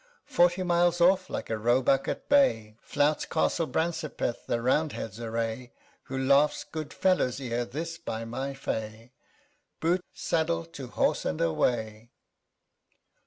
"_ Forty miles off, like a roebuck at bay, Flouts Castle Brancepeth the Roundheads' array; 10 Who laughs, "Good fellows ere this, by my fay, CHORUS. _Boot, saddle, to horse, and away!"